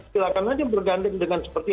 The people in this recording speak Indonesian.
silahkan saja bergantung dengan seperti